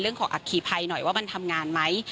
ขออัคคีภัยหน่อยว่ามันทำงานไหม